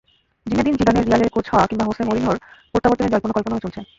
Zinedine জিদানের রিয়ালের coach হওয়া কিংবা হোসে মরিনহোর প্রত্যাবর্তনের জল্পনা-কল্পনাও চলছে।